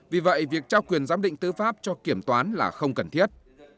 vì vậy việc trao quyền giám định tư pháp cho kiểm toán là không cần thiết